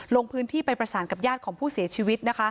ลงพื้นที่ไปประสานกับญาติของผู้เสียชีวิต